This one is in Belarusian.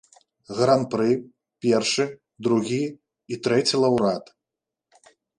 Гран-пры, першы, другі і трэці лаўрэат.